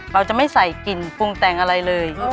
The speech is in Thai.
เราจะไม่ใส่กลิ่นปรุงแต่งอะไรเลย